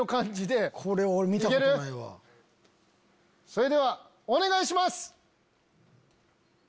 それではお願いします！